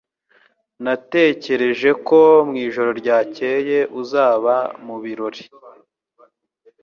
Natekereje ko mu ijoro ryakeye uzaba mu birori